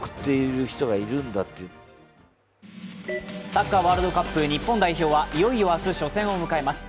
サッカーワールドカップ日本代表はいよいよ明日初戦を迎えます。